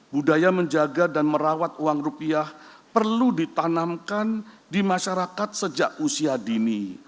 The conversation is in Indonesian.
budaya menjaga dan merawat uang rupiah perlu ditanamkan di masyarakat sejak usia dini